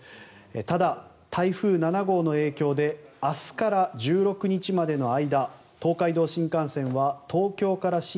ただ、台風７号の影響で明日から１６日までの間東海道新幹線は東京から新